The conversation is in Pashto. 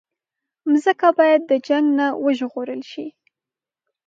مځکه باید د جنګ نه وژغورل شي.